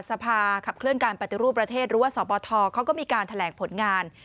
สภาขับเคลื่อนการปฏิรูปประเทศหรือว่าสปทเขาก็มีการแถลงผลงาน